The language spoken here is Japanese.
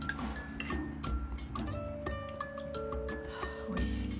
あおいしい。